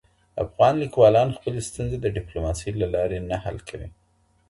افغان لیکوالان خپلي ستونزي د ډیپلوماسۍ له لاري نه حل کوي.